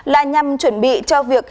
là nhằm chuẩn bị cho việc